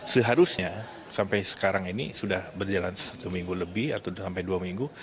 seharusnya sampai sekarang ini sudah berjalan satu minggu lebih atau sampai dua minggu